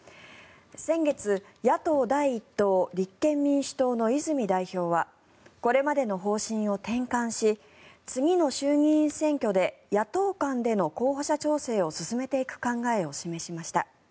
先月、野党第１党立憲民主党の泉代表はこれまでの方針を転換し次の衆議院選挙で野党間での候補者調整を進めていく考えを示しました。